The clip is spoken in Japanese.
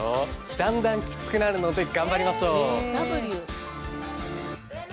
だんだん、きつくなるので頑張りましょう！